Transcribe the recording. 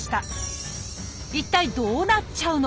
一体どうなっちゃうの？